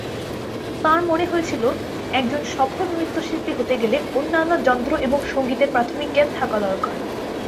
তাঁর মনে হয়েছিল, একজন সফল নৃত্যশিল্পী হতে গেলে, অন্যান্য যন্ত্র এবং সংগীতের প্রাথমিক জ্ঞান থাকা দরকার।